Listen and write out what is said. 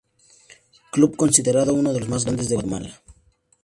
Club considerado uno de los más grandes de Guatemala.